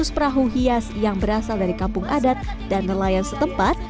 dua ratus perahu hias yang berasal dari kampung adat dan nelayan setempat